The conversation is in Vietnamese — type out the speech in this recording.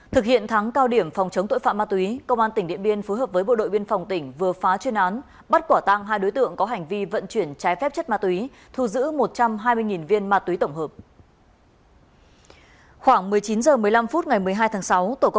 thực hiện thắng cao điểm phòng chống tội phạm ma túy công an tỉnh điện biên phối hợp với bộ đội biên phòng tỉnh vừa phá chuyên án bắt quả tăng hai đối tượng có hành vi vận chuyển trái phép chất ma túy thu giữ một trăm hai mươi viên ma túy tổng hợp